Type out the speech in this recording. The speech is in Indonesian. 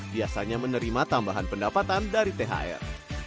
biasanya menerima tambahan pendapatan dari thr